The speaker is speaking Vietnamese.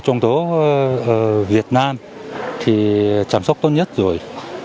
trong đó việt nam thì chăm sóc tốt nhất rồi